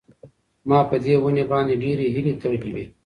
ما په دې ونې باندې ډېرې هیلې تړلې وې.